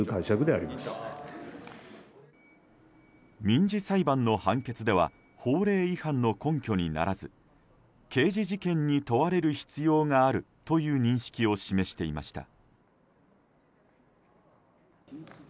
民事裁判の判決では法令違反の根拠にならず刑事事件に問われる必要があるという認識を示していました。